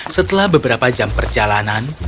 setelah beberapa jam perjalanan